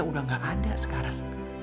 udah gak ada sekarang